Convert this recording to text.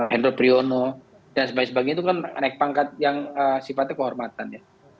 hendro priyono dan sebagainya itu kan naik pangkat yang sifatnya kehormatan ya